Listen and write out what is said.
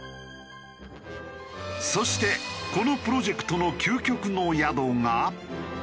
そしてこのプロジェクトの究極の宿が。